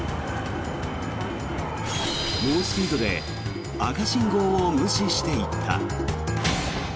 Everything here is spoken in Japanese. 猛スピードで赤信号を無視していった。